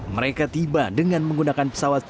mereka tiba dengan menggunakan pesawat